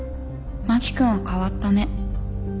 真木君は変わったね。